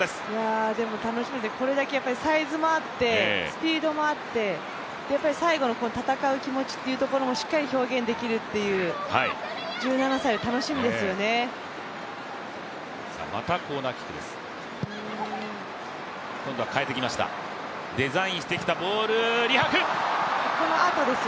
楽しみですね、これだけサイズもあって、スピードもあって最後の戦う気持ちというところもしっかり表現できるというまたコーナーキックです。